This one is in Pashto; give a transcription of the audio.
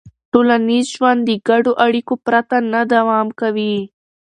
ټولنیز ژوند د ګډو اړیکو پرته نه دوام کوي.